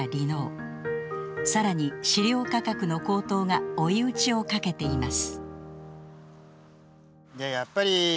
更に飼料価格の高騰が追い打ちをかけています。